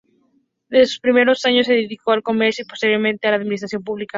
En sus primeros años se dedicó al comercio y posteriormente a la administración pública.